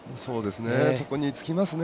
そこに尽きますね。